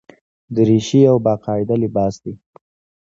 دریشي یو باقاعده لباس دی.